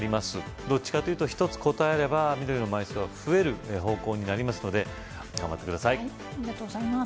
どっちかというと１つ答えれば緑の枚数は増える方向になりますので頑張って下さいありがとうございます